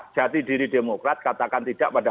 jati diri demokrat katakan tidak pada